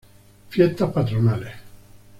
Fiestas Patronales.